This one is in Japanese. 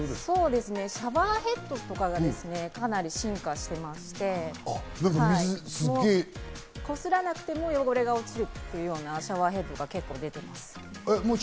シャワーヘッドとかが、かなり進化していまして、こすらなくても汚れが落ちるというようなシャワーヘッドはかなり出ています。